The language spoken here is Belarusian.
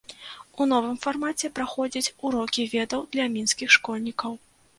У новым фармаце праходзяць урокі ведаў для мінскіх школьнікаў.